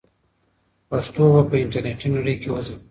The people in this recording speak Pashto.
پښتو به په انټرنیټي نړۍ کې وځلیږي.